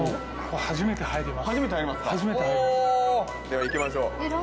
では行きましょう。